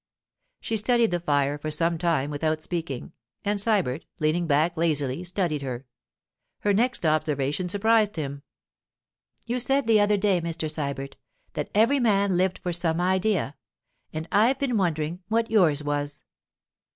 She studied the fire for some time without speaking, and Sybert, leaning back lazily, studied her. Her next observation surprised him. 'You said the other day, Mr. Sybert, that every man lived for some idea, and I've been wondering what yours was.